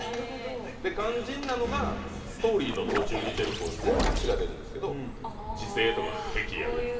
肝心なのがストーリーの途中に選択肢が出るんです、自制とか敵意とか。